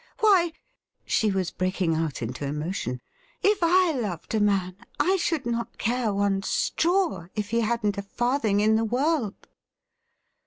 ' Why '— she was breaking out into emotion —' if I loved a man, I should not care one straw if he hadn't a farthing in the world